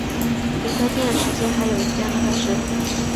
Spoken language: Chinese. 离开店时间还有两个小时